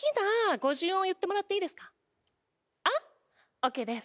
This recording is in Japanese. ＯＫです。